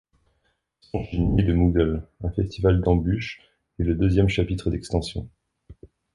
Songe d'une nuit de Moogle - Un festival d'embûche est le deuxième chapitre d'extension.